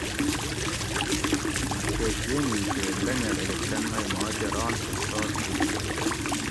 مہۤ کہۤ جینی تے لنگاۤل الیکشن مئ ماکہ ران احساس ہُوت